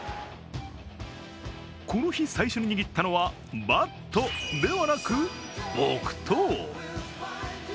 この日、最初に握ったのはバットではなく木刀。